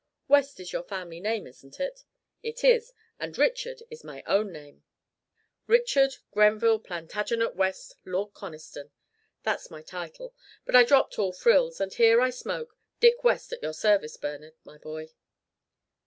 "West is your family name, isn't it?" "It is; and Richard is my own name Richard Grenville Plantagenet West, Lord Conniston. That's my title. But I dropped all frills, and here I smoke, Dick West at your service, Bernard, my boy.